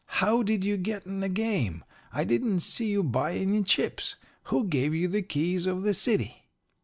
'How did you get in the game? I didn't see you buy any chips. Who gave you the keys of the city?'